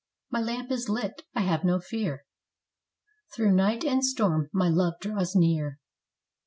My lamp is lit. I have no fear. Through night and storm my love draws near.